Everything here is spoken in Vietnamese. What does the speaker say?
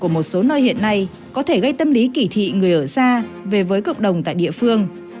ở một số nơi hiện nay có thể gây tâm lý kỷ thị người ở xa về với cộng đồng tại địa phương